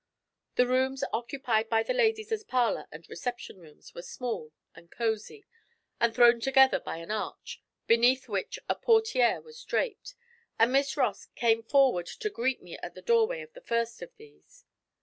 The rooms occupied by the ladies as parlour and reception rooms were small and cosy, and thrown together by an arch, beneath which a portière was draped, and Miss Ross came forward to greet me at the doorway of the first of these.